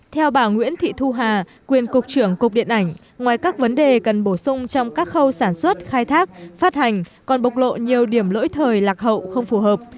theo bà nguyễn thị thu hà quyền cục trưởng cục điện ảnh ngoài các vấn đề cần bổ sung trong các khâu sản xuất khai thác phát hành còn bộc lộ nhiều điểm lỗi thời lạc hậu không phù hợp